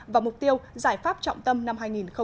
và mục tiêu giải pháp trọng tâm năm hai nghìn hai mươi